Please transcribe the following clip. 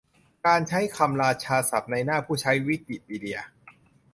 การใช้คำราชาศัพท์ในหน้าผู้ใช้ วิกิพีเดีย